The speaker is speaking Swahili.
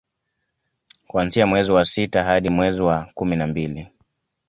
kuanzia mwezi wa sita hadi mwezi wa kumi na mbili